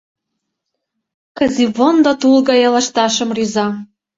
Кызивондо тул гае лышташым рӱза.